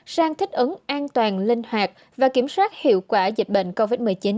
sang thích ứng an toàn linh hoạt và kiểm soát hiệu quả dịch bệnh covid một mươi chín